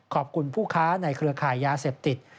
ผู้ค้าในเครือข่ายยาเสพติด